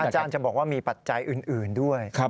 อาจารย์จะบอกว่ามีปัจจัยอื่นด้วย